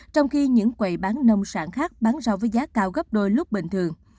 trong khi những quầy bán nông sản khác bán rau với giá cao gấp đôi lúc bình thường